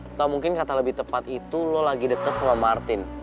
nggak mungkin kata lebih tepat itu lo lagi deket sama martin